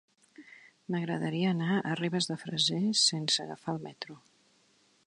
M'agradaria anar a Ribes de Freser sense agafar el metro.